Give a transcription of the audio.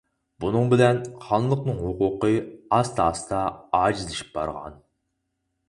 بۇنىڭ بىلەن خانلىقنىڭ ھوقۇقى ئاستا-ئاستا ئاجىزلىشىپ بارغان.